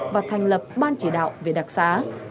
và thành lập ban chỉ đạo về đặc sá